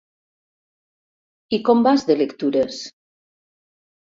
I com vas de lectures?